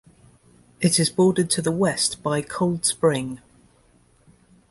It is bordered to the west by Cold Spring.